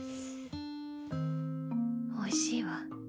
おいしいわ。